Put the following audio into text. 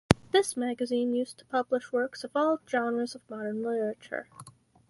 This magazine used to publish works of all genres of modern literature.